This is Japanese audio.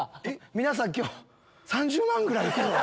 皆さん今日３０万ぐらい行くぞ。